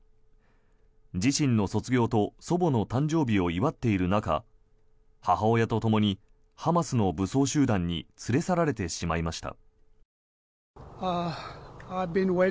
自身の卒業と祖母の誕生日を祝っている中母親とともにハマスの武装集団に連れ去られてしまいました。